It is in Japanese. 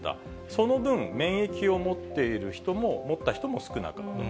その分、免疫を持っている人も、持った人も少なかった。